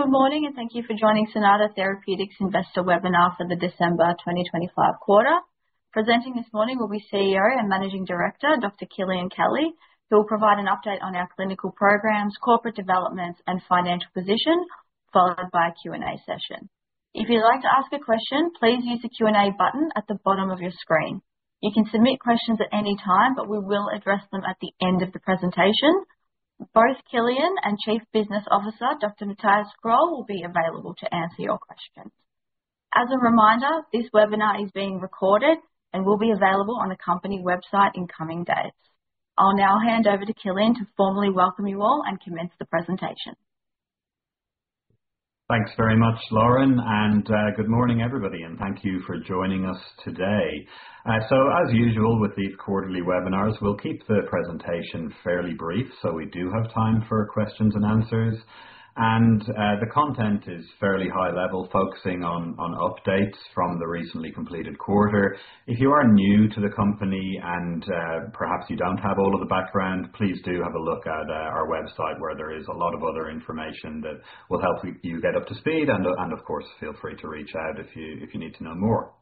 Good morning. Thank you for joining Cynata Therapeutics Investor Webinar for the December 2025 quarter. Presenting this morning will be CEO and Managing Director Dr. Kilian Kelly, who will provide an update on our clinical programs, corporate developments, and financial position, followed by a Q&A session. If you'd like to ask a question, please use the Q&A button at the bottom of your screen. You can submit questions at any time, but we will address them at the end of the presentation. Both Kilian and Chief Business Officer Dr. Mathias Kroll, will be available to answer your questions. As a reminder, this webinar is being recorded and will be available on the company website in coming days. I'll now hand over to Kilian to formally welcome you all and commence the presentation. Thanks very much, Lauren. Good morning, everybody. Thank you for joining us today. As usual with these quarterly webinars, we'll keep the presentation fairly brief so we do have time for questions-and-answers. The content is fairly high level, focusing on updates from the recently completed quarter. If you are new to the company and perhaps you don't have all of the background, please do have a look at our website where there is a lot of other information that will help you get up to speed and of course, feel free to reach out if you need to know more.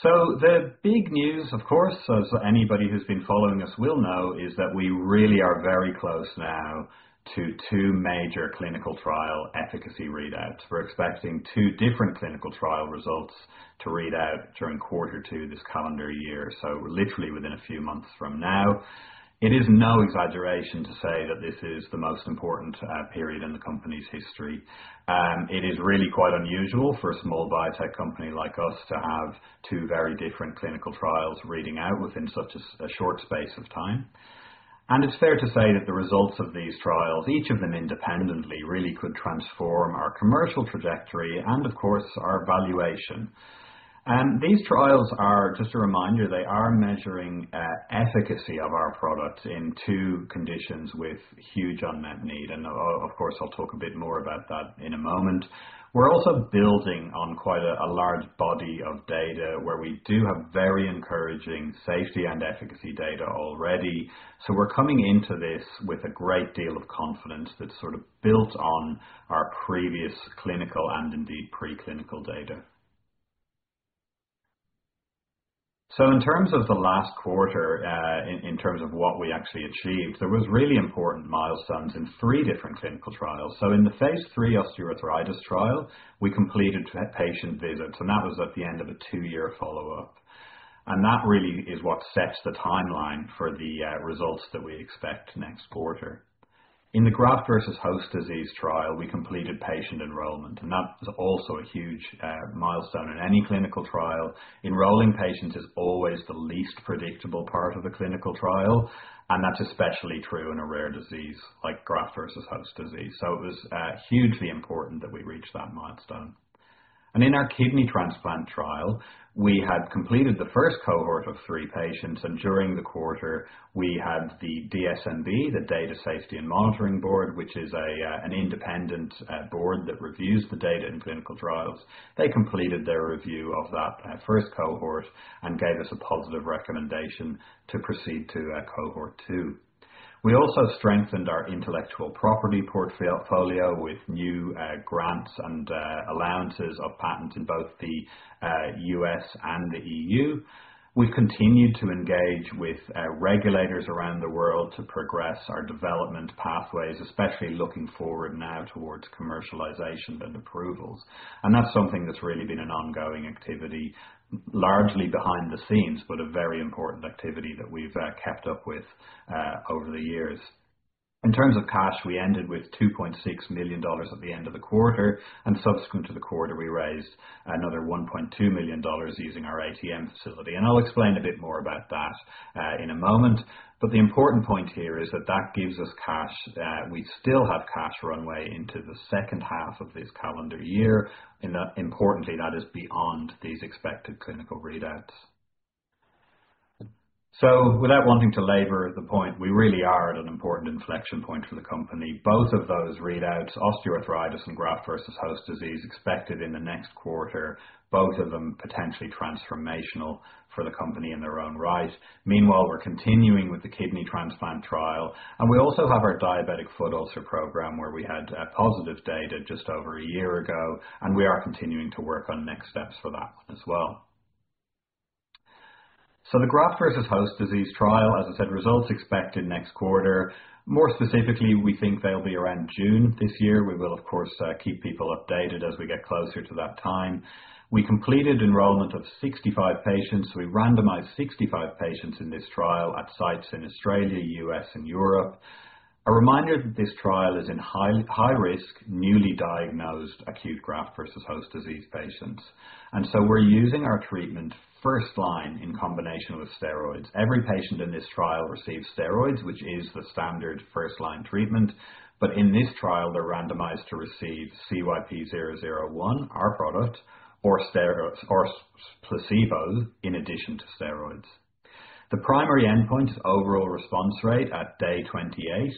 The big news, of course, as anybody who's been following us will know, is that we really are very close now to two major clinical trial efficacy readouts. We're expecting two different clinical trial results to read out during quarter two this calendar year. Literally within a few months from now. It is no exaggeration to say that this is the most important period in the company's history. It is really quite unusual for a small biotech company like us to have two very different clinical trials reading out within such a short space of time. It's fair to say that the results of these trials, each of them independently, really could transform our commercial trajectory and of course, our valuation. These trials are just a reminder. They are measuring efficacy of our product in two conditions with huge unmet need. Of course, I'll talk a bit more about that in a moment. We're also building on quite a large body of data where we do have very encouraging safety and efficacy data already. We're coming into this with a great deal of confidence that's sort of built on our previous clinical and indeed pre-clinical data. In terms of the last quarter, in terms of what we actually achieved, there was really important milestones in three different clinical trials. In the phase III osteoarthritis trial, we completed patient visits, and that was at the end of a two-year follow-up. That really is what sets the timeline for the results that we expect next quarter. In the graft versus host disease trial, we completed patient enrollment, and that was also a huge milestone. In any clinical trial, enrolling patients is always the least predictable part of the clinical trial, and that's especially true in a rare disease like graft versus host disease. It was hugely important that we reached that milestone. In our kidney transplant trial, we had completed the first cohort of three patients, and during the quarter we had the DSMB, the Data Safety and Monitoring Board, which is an independent board that reviews the data in clinical trials. They completed their review of that first cohort and gave us a positive recommendation to proceed to cohort 2 . We also strengthened our intellectual property portfolio with new grants and allowances of patents in both the U.S. and the EU. We've continued to engage with regulators around the world to progress our development pathways, especially looking forward now towards commercialization and approvals. That's something that's really been an ongoing activity, largely behind the scenes, but a very important activity that we've kept up with over the years. In terms of cash, we ended with 2.6 million dollars at the end of the quarter. Subsequent to the quarter, we raised another 1.2 million dollars using our ATM facility. I'll explain a bit more about that in a moment. The important point here is that that gives us cash. We still have cash runway into the second half of this calendar year. Importantly, that is beyond these expected clinical readouts. Without wanting to labor the point, we really are at an important inflection point for the company. Both of those readouts, osteoarthritis and graft versus host disease, expected in the next quarter, both of them potentially transformational for the company in their own right. Meanwhile, we're continuing with the kidney transplant trial, and we also have our diabetic foot ulcer program, where we had positive data just over one year ago, and we are continuing to work on next steps for that as well. The graft versus host disease trial, as I said, results expected next quarter. More specifically, we think they'll be around June this year. We will, of course, keep people updated as we get closer to that time. We completed enrollment of 65 patients. We randomized 65 patients in this trial at sites in Australia, U.S., and Europe. A reminder that this trial is in high-risk, newly diagnosed acute graft versus host disease patients. We're using our treatment first-line in combination with steroids. Every patient in this trial receives steroids, which is the standard first-line treatment. In this trial, they're randomized to receive CYP-001, our product, or placebo in addition to steroids. The primary endpoint is overall response rate at day 28.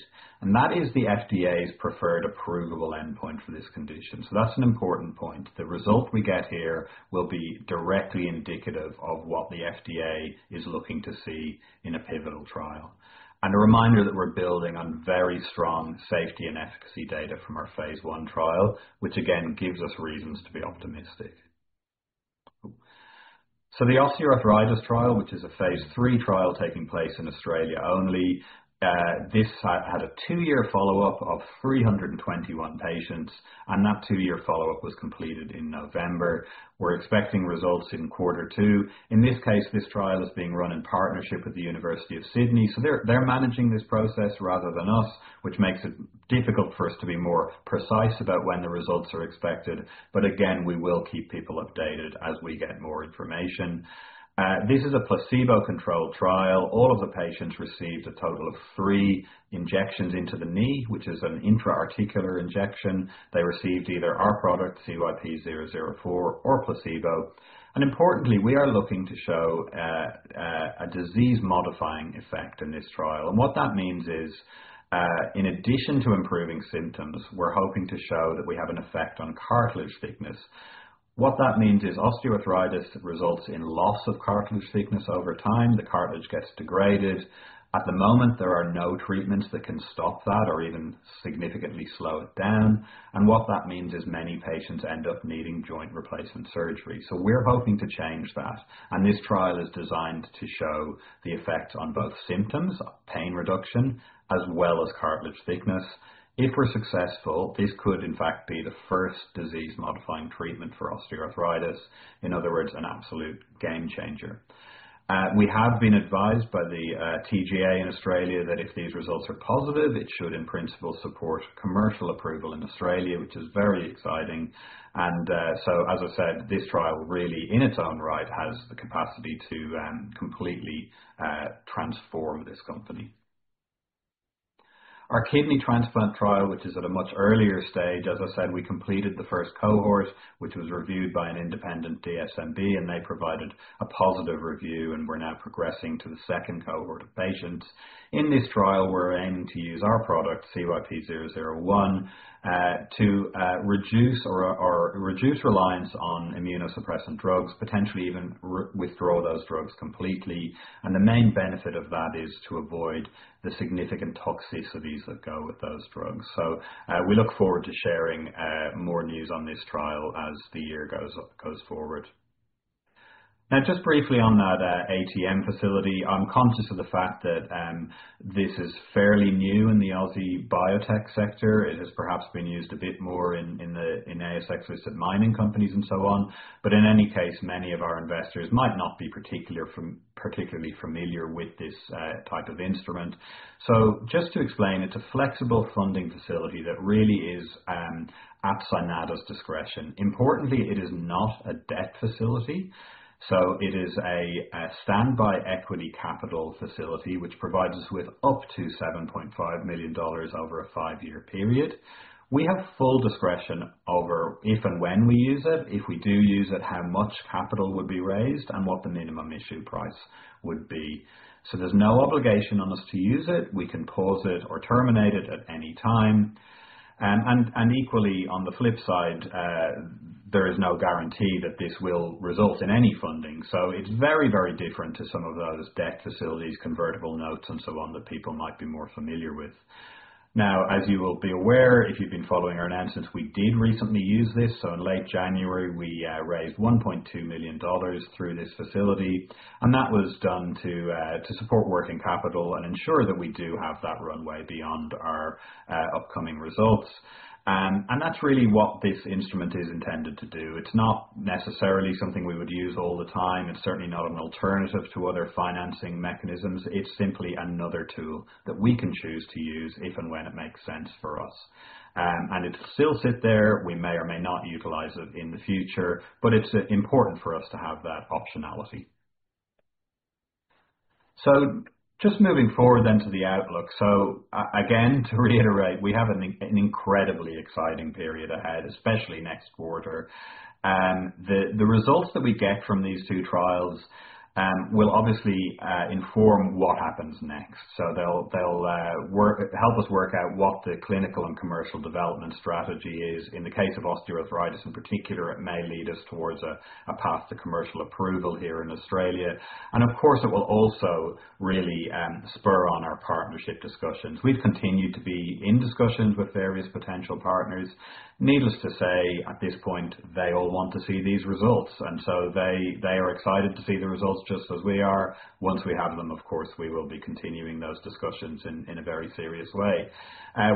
That is the FDA's preferred approvable endpoint for this condition. That's an important point. The result we get here will be directly indicative of what the FDA is looking to see in a pivotal trial. A reminder that we're building on very strong safety and efficacy data from our phase I trial, which again, gives us reasons to be optimistic. The osteoarthritis trial, which is a phase III trial taking place in Australia only, this had a two-year follow-up of 321 patients. That two-year follow-up was completed in November. We're expecting results in quarter 2. In this case, this trial is being run in partnership with the University of Sydney. They're managing this process rather than us, which makes it difficult for us to be more precise about when the results are expected. Again, we will keep people updated as we get more information. This is a placebo-controlled trial. All of the patients received a total of three injections into the knee, which is an intra-articular injection. They received either our product, CYP-004, or placebo. Importantly, we are looking to show a disease-modifying effect in this trial. What that means is, in addition to improving symptoms, we're hoping to show that we have an effect on cartilage thickness. What that means is osteoarthritis results in loss of cartilage thickness over time. The cartilage gets degraded. At the moment, there are no treatments that can stop that or even significantly slow it down. What that means is many patients end up needing joint replacement surgery. We're hoping to change that. This trial is designed to show the effects on both symptoms, pain reduction, as well as cartilage thickness. If we're successful, this could in fact be the first disease-modifying treatment for osteoarthritis. In other words, an absolute game changer. We have been advised by the TGA in Australia that if these results are positive, it should in principle support commercial approval in Australia, which is very exciting. As I said, this trial really in its own right, has the capacity to completely transform this company. Our kidney transplant trial, which is at a much earlier stage. As I said, we completed the first cohort, which was reviewed by an independent DSMB, and they provided a positive review, and we're now progressing to the second cohort of patients. In this trial, we're aiming to use our product, CYP-001, to reduce reliance on immunosuppressant drugs, potentially even withdraw those drugs completely. The main benefit of that is to avoid the significant toxicities that go with those drugs. We look forward to sharing more news on this trial as the year goes forward. Just briefly on that ATM facility. I'm conscious of the fact that this is fairly new in the Aussie biotech sector. It has perhaps been used a bit more in ASX-listed mining companies and so on. In any case, many of our investors might not be particularly familiar with this type of instrument. Just to explain, it's a flexible funding facility that really is at Cynata's discretion. Importantly, it is not a debt facility. It is a standby equity capital facility, which provides us with up to 7.5 million dollars over a five-year period. We have full discretion over if and when we use it. If we do use it, how much capital would be raised, and what the minimum issue price would be. There's no obligation on us to use it. We can pause it or terminate it at any time. Equally on the flip side, there is no guarantee that this will result in any funding. It's very, very different to some of those debt facilities, convertible notes, and so on, that people might be more familiar with. As you will be aware, if you've been following our announcements, we did recently use this. In late January, we raised 1.2 million dollars through this facility, and that was done to support working capital and ensure that we do have that runway beyond our upcoming results. That's really what this instrument is intended to do. It's not necessarily something we would use all the time. It's certainly not an alternative to other financing mechanisms. It's simply another tool that we can choose to use if and when it makes sense for us. It'll still sit there. We may or may not utilize it in the future, but it's important for us to have that optionality. Just moving forward then to the outlook. Again, to reiterate, we have an incredibly exciting period ahead, especially next quarter. The results that we get from these two trials will obviously inform what happens next. They'll help us work out what the clinical and commercial development strategy is. In the case of osteoarthritis in particular, it may lead us towards a path to commercial approval here in Australia. Of course, it will also really spur on our partnership discussions. We've continued to be in discussions with various potential partners. Needless to say, at this point, they all want to see these results, and so they are excited to see the results just as we are. Once we have them, of course, we will be continuing those discussions in a very serious way.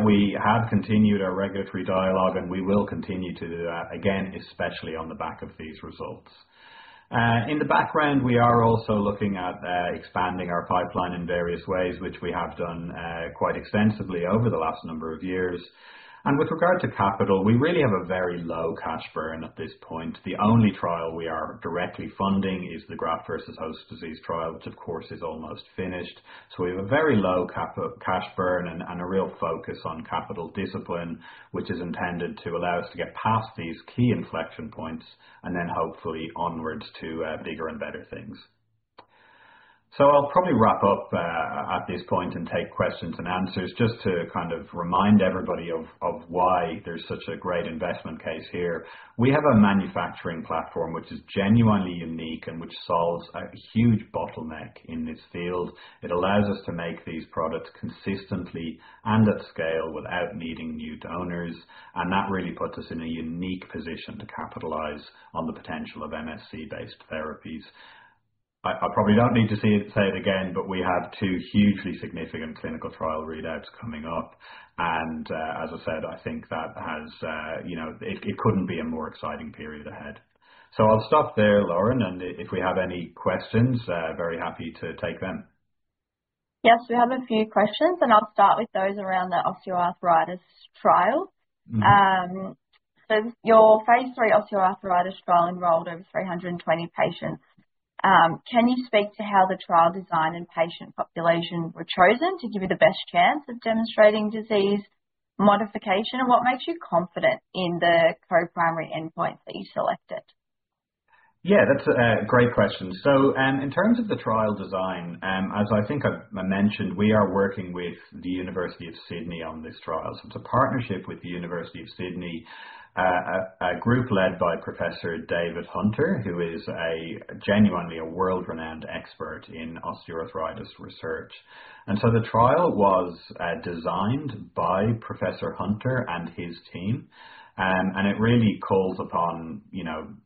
We have continued our regulatory dialogue, and we will continue to do that again, especially on the back of these results. In the background, we are also looking at expanding our pipeline in various ways, which we have done quite extensively over the last number of years. With regard to capital, we really have a very low cash burn at this point. The only trial we are directly funding is the graft-versus-host disease trial, which of course is almost finished. We have a very low cash burn and a real focus on capital discipline, which is intended to allow us to get past these key inflection points and then hopefully onwards to bigger and better things. I'll probably wrap up at this point and take questions and answers just to kind of remind everybody of why there's such a great investment case here. We have a manufacturing platform which is genuinely unique and which solves a huge bottleneck in this field. It allows us to make these products consistently and at scale without needing new donors. That really puts us in a unique position to capitalize on the potential of MSC-based therapies. I probably don't need to say it again. We have two hugely significant clinical trial readouts coming up. As I said, I think it couldn't be a more exciting period ahead. I'll stop there, Lauren. If we have any questions, very happy to take them. Yes, we have a few questions, and I'll start with those around the osteoarthritis trial. Your phase III osteoarthritis trial enrolled over 320 patients. Can you speak to how the trial design and patient population were chosen to give you the best chance of demonstrating disease modification? What makes you confident in the co-primary endpoints that you selected? Yeah, that's a great question. In terms of the trial design, as I think I mentioned, we are working with the University of Sydney on this trial. It's a partnership with the University of Sydney, a group led by Professor David Hunter, who is genuinely a world-renowned expert in osteoarthritis research. The trial was designed by Professor Hunter and his team. It really calls upon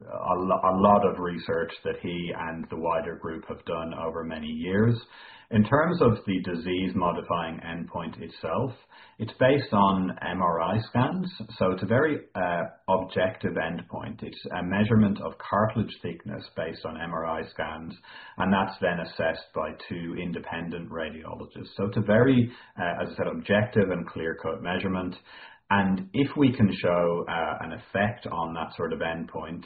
a lot of research that he and the wider group have done over many years. In terms of the disease-modifying endpoint itself, it's based on MRI scans, so it's a very objective endpoint. It's a measurement of cartilage thickness based on MRI scans, and that's then assessed by two independent radiologists. It's a very, as I said, objective and clear-cut measurement. If we can show an effect on that sort of endpoint,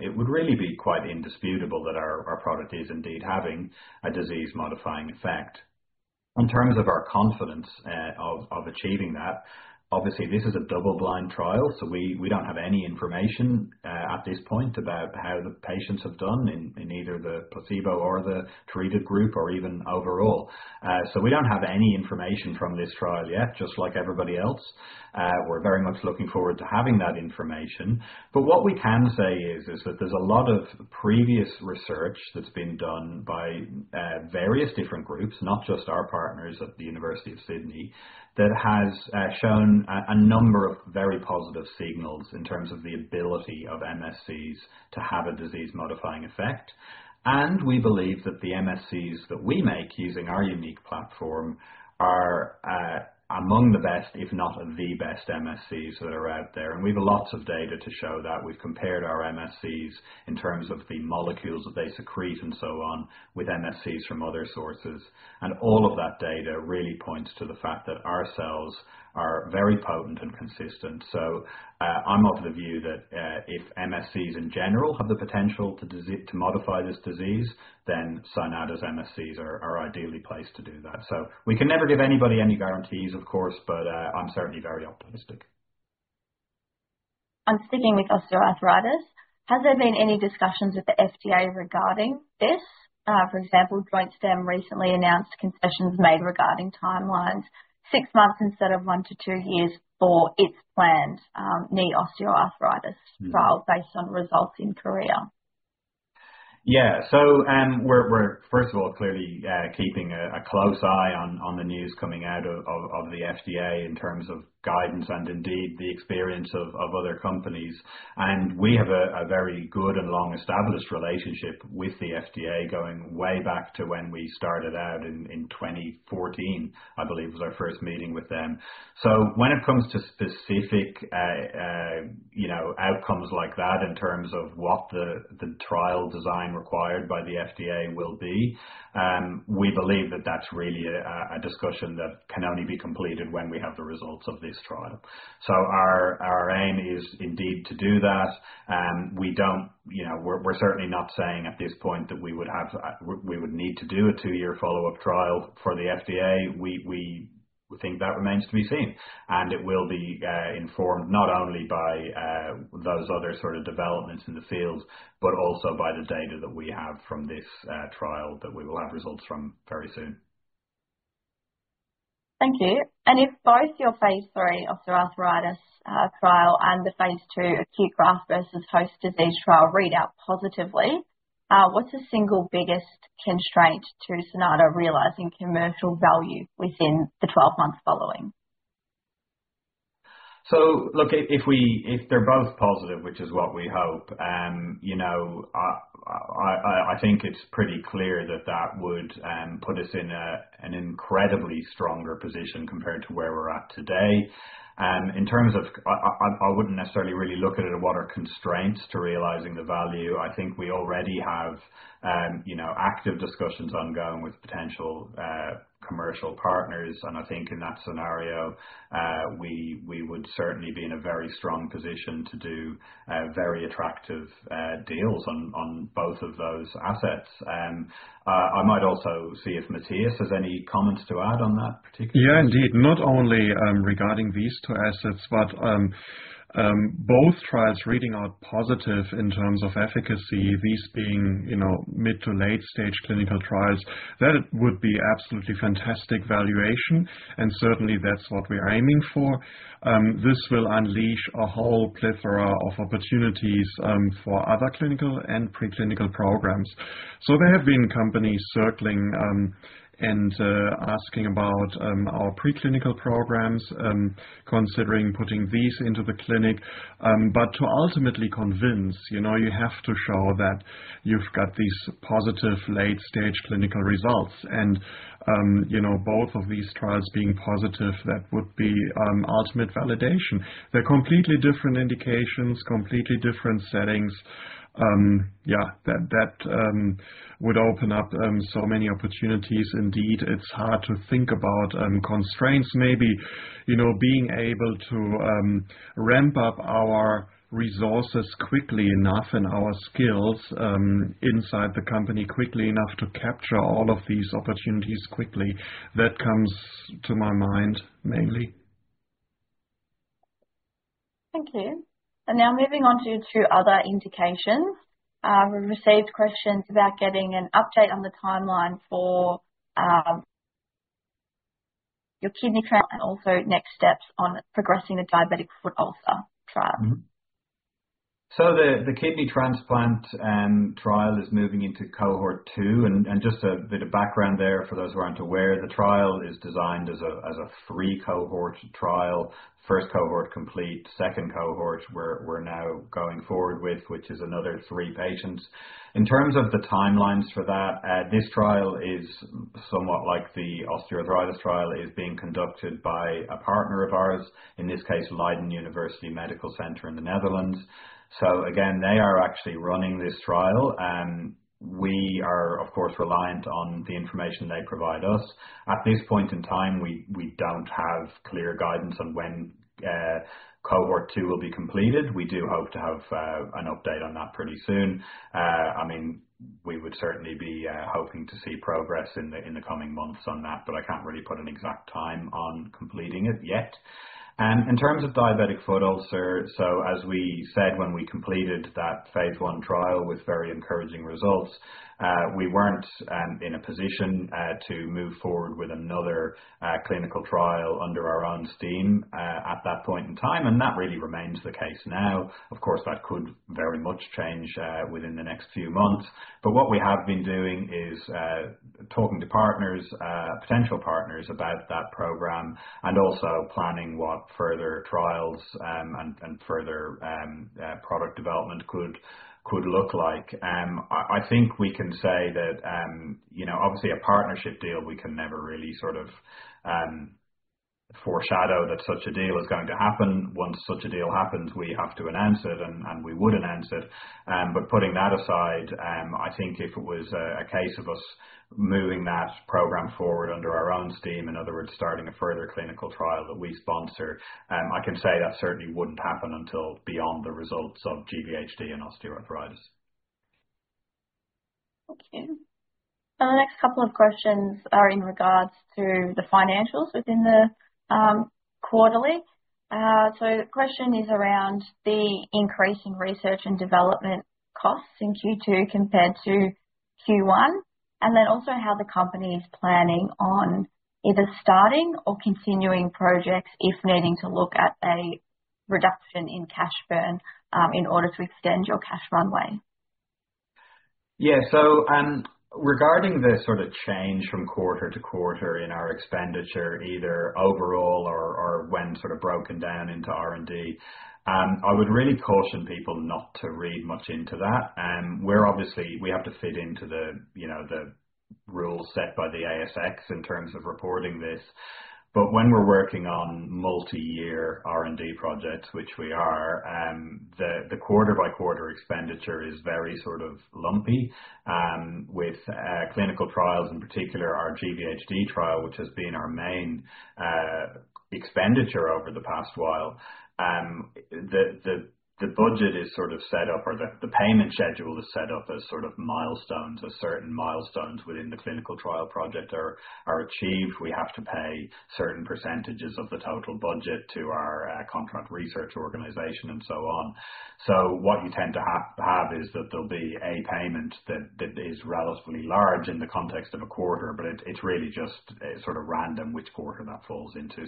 it would really be quite indisputable that our product is indeed having a disease-modifying effect. In terms of our confidence of achieving that, obviously, this is a double-blind trial, so we don't have any information at this point about how the patients have done in either the placebo or the treated group, or even overall. We don't have any information from this trial yet, just like everybody else. We're very much looking forward to having that information. What we can say is that there's a lot of previous research that's been done by various different groups, not just our partners at the University of Sydney, that has shown a number of very positive signals in terms of the ability of MSCs to have a disease-modifying effect. We believe that the MSCs that we make using our unique platform are among the best, if not the best MSCs that are out there. We've lots of data to show that. We've compared our MSCs in terms of the molecules that they secrete and so on, with MSCs from other sources. All of that data really points to the fact that our cells are very potent and consistent. I'm of the view that if MSCs in general have the potential to modify this disease, then Cynata's MSCs are ideally placed to do that. We can never give anybody any guarantees, of course, but I'm certainly very optimistic. I'm sticking with osteoarthritis. Has there been any discussions with the FDA regarding this? For example, JointStem recently announced concessions made regarding timelines, six months instead of one to two years for its planned knee osteoarthritis trial based on results in Korea. Yeah. We're first of all, clearly keeping a close eye on the news coming out of the FDA in terms of guidance and indeed the experience of other companies. We have a very good and long-established relationship with the FDA, going way back to when we started out in 2014, I believe was our first meeting with them. When it comes to specific outcomes like that in terms of what the trial design required by the FDA will be, we believe that that's really a discussion that can only be completed when we have the results of this trial. Our aim is indeed to do that. We're certainly not saying at this point that we would need to do a two-year follow-up trial for the FDA. We think that remains to be seen, and it will be informed not only by those other sort of developments in the field, but also by the data that we have from this trial that we will have results from very soon. Thank you. If both your phase III osteoarthritis trial and the phase II acute graft-versus-host disease trial read out positively, what's the single biggest constraint to Cynata realizing commercial value within the 12 months following? Look, if they're both positive, which is what we hope, I think it's pretty clear that that would put us in an incredibly stronger position compared to where we're at today. I wouldn't necessarily really look at it at what are constraints to realizing the value. I think we already have active discussions ongoing with potential commercial partners, and I think in that scenario, we would certainly be in a very strong position to do very attractive deals on both of those assets. I might also see if Mathias has any comments to add on that. Yeah, indeed. Not only regarding these two assets, but both trials reading out positive in terms of efficacy, these being mid to late-stage clinical trials, that would be absolutely fantastic valuation, and certainly, that's what we're aiming for. This will unleash a whole plethora of opportunities for other clinical and preclinical programs. There have been companies circling and asking about our preclinical programs, considering putting these into the clinic. To ultimately convince, you have to show that you've got these positive late-stage clinical results, and both of these trials being positive, that would be ultimate validation. They're completely different indications, completely different settings. Yeah. That would open up so many opportunities. Indeed, it's hard to think about constraints maybe. Being able to ramp up our resources quickly enough and our skills inside the company quickly enough to capture all of these opportunities quickly, that comes to my mind mainly. Thank you. Now moving on to two other indications. We've received questions about getting an update on the timeline for your kidney transplant and also next steps on progressing the diabetic foot ulcer trial. The kidney transplant trial is moving into cohort 2. Just a bit of background there for those who aren't aware, the trial is designed as a three-cohort trial. First cohort complete. Second cohort, we're now going forward with, which is another three patients. In terms of the timelines for that, this trial is somewhat like the osteoarthritis trial. It is being conducted by a partner of ours, in this case Leiden University Medical Center in the Netherlands. Again, they are actually running this trial. We are, of course, reliant on the information they provide us. At this point in time, we don't have clear guidance on when cohort 2 will be completed. We do hope to have an update on that pretty soon. We would certainly be hoping to see progress in the coming months on that, I can't really put an exact time on completing it yet. In terms of diabetic foot ulcer, as we said when we completed that phase I trial with very encouraging results, we weren't in a position to move forward with another clinical trial under our own steam at that point in time. That really remains the case now. Of course, that could very much change within the next few months. What we have been doing is talking to partners, potential partners about that program, and also planning what further trials and further product development could look like. I think we can say that obviously a partnership deal, we can never really sort of foreshadow that such a deal is going to happen. Once such a deal happens, we have to announce it, and we would announce it. Putting that aside, I think if it was a case of us moving that program forward under our own steam, in other words, starting a further clinical trial that we sponsor, I can say that certainly wouldn't happen until beyond the results of GvHD and osteoarthritis. Thank you. The next couple of questions are in regards to the financials within the quarterly. The question is around the increase in research and development costs in Q2 compared to Q1, also how the company is planning on either starting or continuing projects if needing to look at a reduction in cash burn in order to extend your cash runway. Regarding the sort of change from quarter to quarter in our expenditure, either overall or when sort of broken down into R&D, I would really caution people not to read much into that. We have to fit into the rules set by the ASX in terms of reporting this. When we're working on multi-year R&D projects, which we are, the quarter-by-quarter expenditure is very sort of lumpy. With clinical trials, in particular our GvHD trial, which has been our main expenditure over the past while. The budget is sort of set up or the payment schedule is set up as sort of milestones. As certain milestones within the clinical trial project are achieved, we have to pay certain percentages of the total budget to our contract research organization and so on. What you tend to have is that there'll be a payment that is relatively large in the context of a quarter, but it's really just sort of random which quarter that falls into.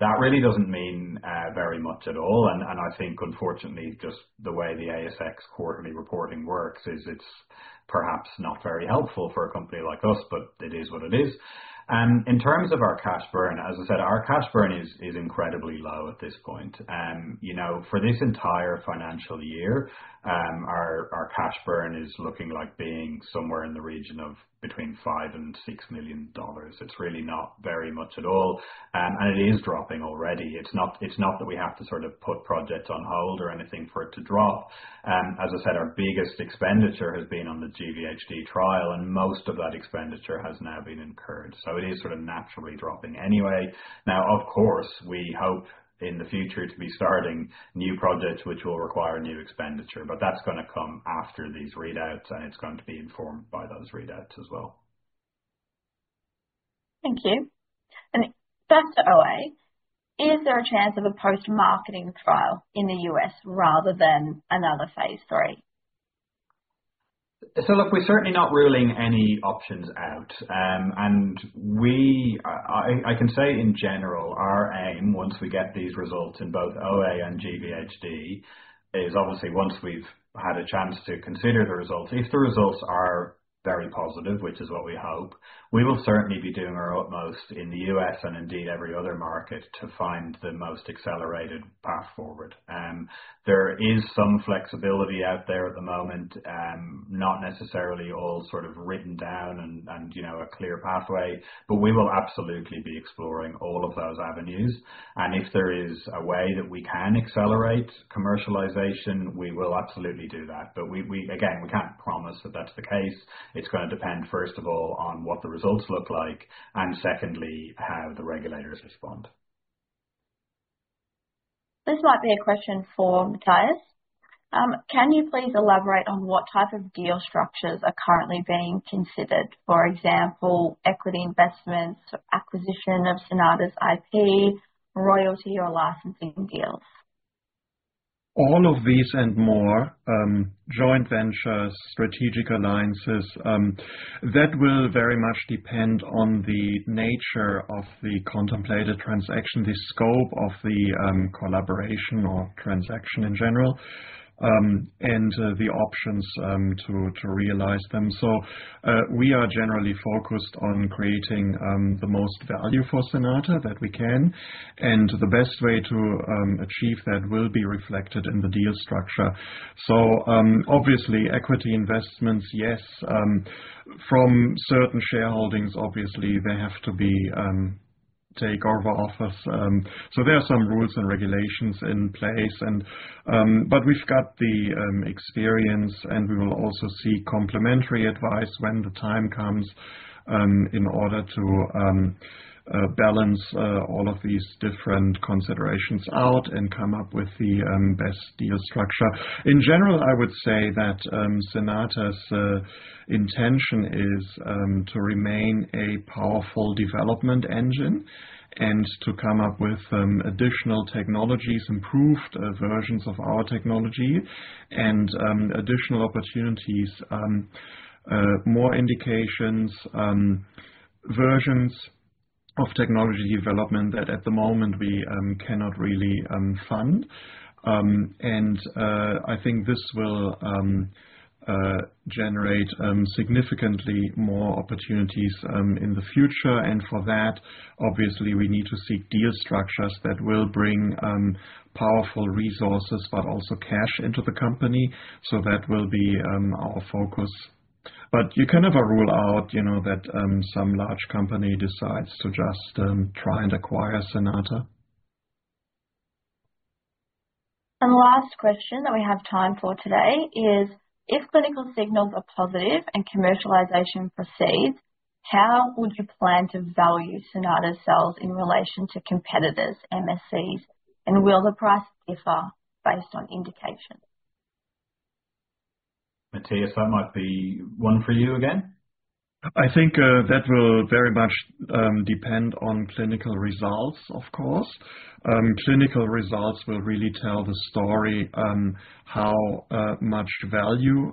That really doesn't mean very much at all. I think unfortunately, just the way the ASX quarterly reporting works is it's perhaps not very helpful for a company like us, but it is what it is. In terms of our cash burn, as I said, our cash burn is incredibly low at this point. For this entire financial year, our cash burn is looking like being somewhere in the region of between 5 million and 6 million dollars. It's really not very much at all. It is dropping already. It's not that we have to sort of put projects on hold or anything for it to drop. As I said, our biggest expenditure has been on the GvHD trial, and most of that expenditure has now been incurred. It is sort of naturally dropping anyway. Now, of course, we hope in the future to be starting new projects which will require new expenditure, but that's going to come after these readouts, and it's going to be informed by those readouts as well. Thank you. Back to OA. Is there a chance of a post-marketing trial in the U.S. rather than another phase III? Look, we're certainly not ruling any options out. I can say in general, our aim once we get these results in both OA and GvHD is obviously once we've had a chance to consider the results. If the results are very positive, which is what we hope, we will certainly be doing our utmost in the U.S. and indeed every other market to find the most accelerated path forward. There is some flexibility out there at the moment. Not necessarily all sort of written down and a clear pathway, but we will absolutely be exploring all of those avenues. If there is a way that we can accelerate commercialization, we will absolutely do that. Again, we can't promise that that's the case. It's going to depend, first of all, on what the results look like, and secondly, how the regulators respond. This might be a question for Mathias. Can you please elaborate on what type of deal structures are currently being considered? For example, equity investments, acquisition of Cynata's IP, royalty or licensing deals. All of these and more, joint ventures, strategic alliances. That will very much depend on the nature of the contemplated transaction, the scope of the collaboration or transaction in general, and the options to realize them. We are generally focused on creating the most value for Cynata that we can, and the best way to achieve that will be reflected in the deal structure. Obviously, equity investments, yes. From certain shareholdings, obviously, there have to be takeover offers. There are some rules and regulations in place. We've got the experience, and we will also seek complimentary advice when the time comes in order to balance all of these different considerations out and come up with the best deal structure. In general, I would say that Cynata's intention is to remain a powerful development engine and to come up with additional technologies, improved versions of our technology, and additional opportunities, more indications, versions of technology development that at the moment we cannot really fund. I think this will generate significantly more opportunities in the future. For that, obviously, we need to seek deal structures that will bring powerful resources, but also cash into the company. That will be our focus. You cannot rule out that some large company decides to just try and acquire Cynata. Last question that we have time for today is, if clinical signals are positive and commercialization proceeds, how would you plan to value Cynata's cells in relation to competitors' MSCs, and will the price differ based on indication? Mathias, that might be one for you again. I think that will very much depend on clinical results, of course. Clinical results will really tell the story how much value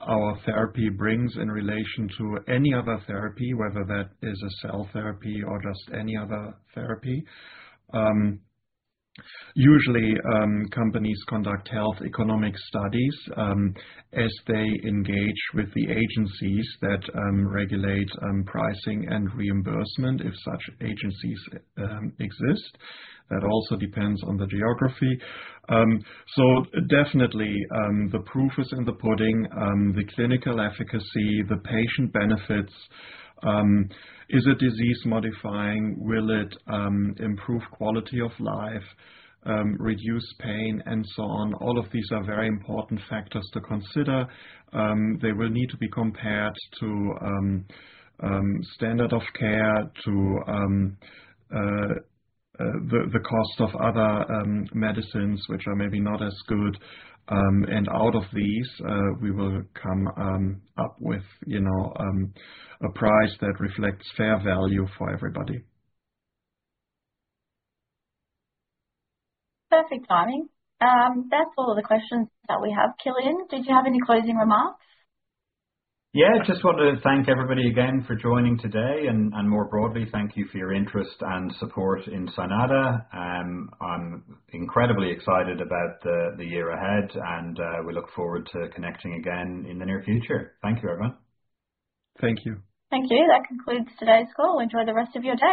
our therapy brings in relation to any other therapy, whether that is a cell therapy or just any other therapy. Usually, companies conduct health economic studies as they engage with the agencies that regulate pricing and reimbursement, if such agencies exist. That also depends on the geography. Definitely, the proof is in the pudding. The clinical efficacy, the patient benefits. Is it disease-modifying? Will it improve quality of life, reduce pain, and so on? All of these are very important factors to consider. They will need to be compared to standard of care, to the cost of other medicines which are maybe not as good. Out of these, we will come up with a price that reflects fair value for everybody. Perfect timing. That's all the questions that we have. Kilian, did you have any closing remarks? Yeah. I just want to thank everybody again for joining today, and more broadly, thank you for your interest and support in Cynata. I'm incredibly excited about the year ahead, and we look forward to connecting again in the near future. Thank you, everyone. Thank you. Thank you. That concludes today's call. Enjoy the rest of your day.